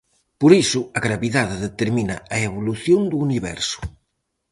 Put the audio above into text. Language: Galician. Por iso, a gravidade determina a evolución do universo.